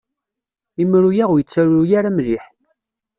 Imru-a ur yettaru mliḥ.